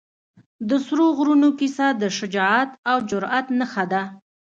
د سرو غرونو کیسه د شجاعت او جرئت نښه ده.